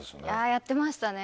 やってましたね。